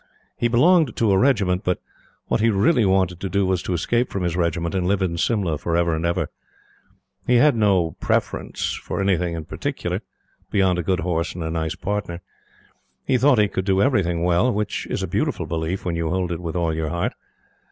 He belonged to a regiment; but what he really wanted to do was to escape from his regiment and live in Simla forever and ever. He had no preference for anything in particular, beyond a good horse and a nice partner. He thought he could do everything well; which is a beautiful belief when you hold it with all your heart.